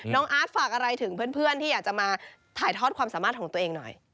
อาร์ตฝากอะไรถึงเพื่อนที่อยากจะมาถ่ายทอดความสามารถของตัวเองหน่อย